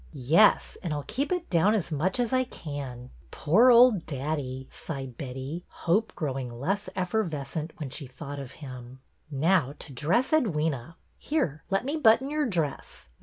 Yes. And I 'll keep it down as much as I can. Poor old daddy !" sighed Betty, hope grow ing less effervescent when she thought of him. Now to dress Edwyna. Here, let me button your dress.